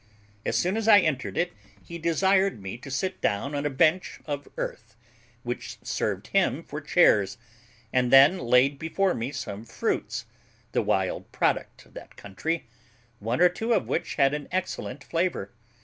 As soon as I entered it, he desired me to sit down on a bench of earth, which served him for chairs, and then laid before me some fruits, the wild product of that country, one or two of which had an excellent flavour.